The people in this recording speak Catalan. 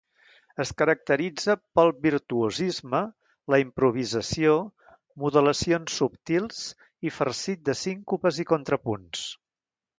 Es caracteritza pel virtuosisme, la improvisació, modulacions subtils i farcit de síncopes i contrapunts.